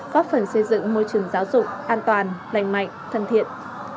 góp phần xây dựng môi trường giáo dục an toàn lành mạnh thân thiện